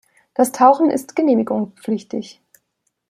Das Tauchen ist genehmigungspflichtig.